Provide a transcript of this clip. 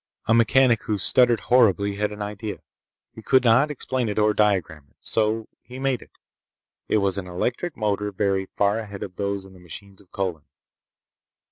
A mechanic who stuttered horribly had an idea. He could not explain it or diagram it. So he made it. It was an electric motor very far ahead of those in the machines of Colin.